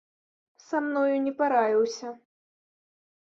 Са мною не параіўся.